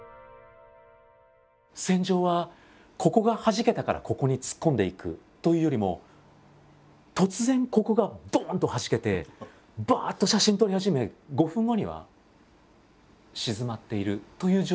戦場はここがはじけたからここに突っ込んでいくというよりも突然ここがどんとはじけてばっと写真撮り始め５分後には静まっているという状況がほとんどなんです。